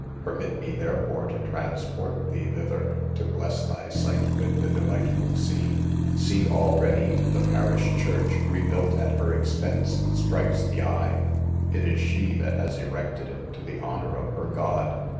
Permit me, therefore, to transport thee thither, to bless thy sight with the delightful scene. See, already, the parish church, rebuilt at her expense, strikes the eye; it is she that has erected it to the honour of her God.